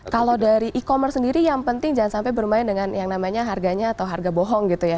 kalau dari e commerce sendiri yang penting jangan sampai bermain dengan yang namanya harganya atau harga bohong gitu ya